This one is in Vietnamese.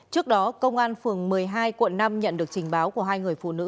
trước đó công an phường một mươi hai quận năm nhận được trình báo của hai người phụ nữ